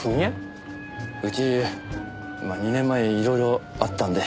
うちまあ２年前色々あったんで。